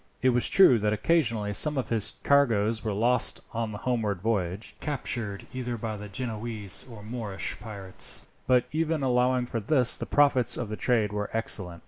It was true that occasionally some of his cargoes were lost on the homeward voyage, captured either by the Genoese or the Moorish pirates; but even allowing for this, the profits of the trade were excellent.